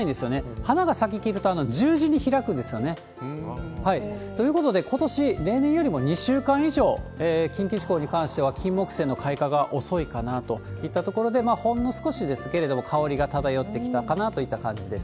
花が咲ききると十字に開くんですよね。ということで、ことし、例年よりも２週間以上、近畿地方に関してはキンモクセイの開花が遅いかなといった感じで、ほんの少しですけれども、香りが漂ってきたかなという感じです。